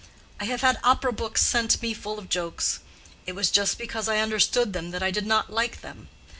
"I have had opera books sent me full of jokes; it was just because I understood them that I did not like them.